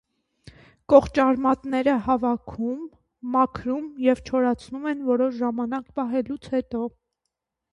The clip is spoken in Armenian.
Կոճղարմատները հավաքում, մաքրում և չորացնում են որոշ ժամանակ պահելուց հետո։